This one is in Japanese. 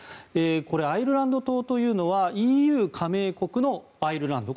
これ、アイルランド島というのはＥＵ加盟国のアイルランド